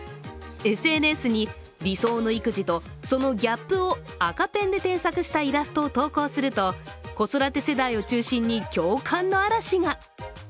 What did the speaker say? ＳＮＳに理想の育児とそのギャップを赤ペンで添削したイラストを投稿すると子育て世代を中心に共感の嵐が。